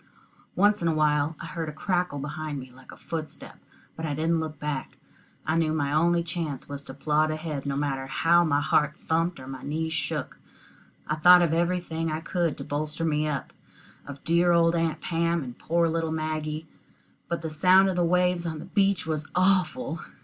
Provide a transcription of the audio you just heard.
Once in a while I heard a crackle behind me like a footstep, but I didn't look back. I knew my only chance was to plod ahead, no matter how my heart thumped or my knees shook. I thought of everything I could to bolster me up of dear old Aunt Pam and poor little Maggie. But the sound of the waves on the beach was awful!